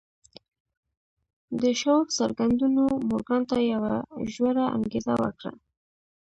د شواب څرګندونو مورګان ته یوه ژوره انګېزه ورکړه